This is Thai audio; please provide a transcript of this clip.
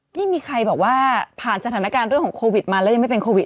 นี่มีใครบอกว่าผ่านสถานการณ์เรื่องของโควิดมาแล้วยังไม่เป็นโควิด